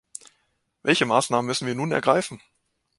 Welche Maßnahmen müssen wir nun ergreifen?